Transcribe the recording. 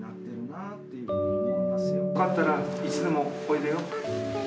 よかったらいつでもおいでよ。